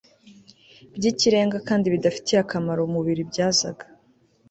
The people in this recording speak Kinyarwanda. byikirenga kandi bidafitiye akamaro umubiri byazaga